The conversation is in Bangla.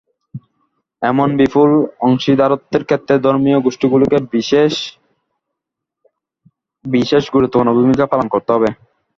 এমন বিপুল অংশীদারত্বের ক্ষেত্রে ধর্মীয় গোষ্ঠীগুলোকে বিশেষ গুরুত্বপূর্ণ ভূমিকা পালন করতে হবে।